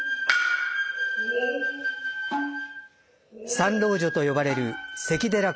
三老女と呼ばれる「関寺小町」。